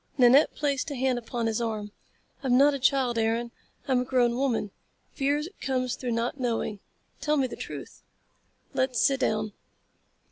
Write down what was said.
Nanette placed a hand upon his arm. "I'm not a child, Aaron. I'm a grown woman. Fear comes through not knowing. Tell me the truth." "Let's sit down."